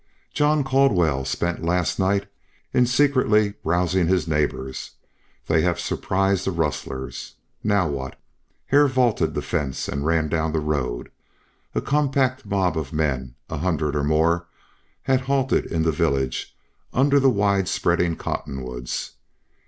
John Caldwell spent last night in secretly rousing his neighbors. They have surprised the rustlers. Now what?" Hare vaulted the fence and ran down the road. A compact mob of men, a hundred or more, had halted in the village under the wide spreading cottonwoods.